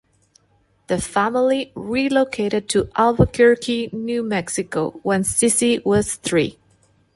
The family relocated to Albuquerque, New Mexico when Cissy was three.